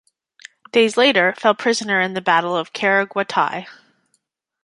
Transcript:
Days later, fell prisoner in the battle of Caraguatay.